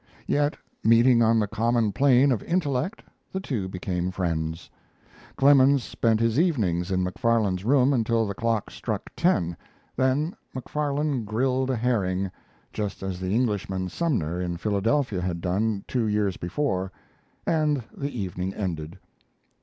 Yet meeting on the common plane of intellect, the two became friends. Clemens spent his evenings in Macfarlane's room until the clock struck ten; then Macfarlane grilled a herring, just as the Englishman Sumner in Philadelphia had done two years before, and the evening ended.